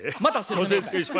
またそれですか？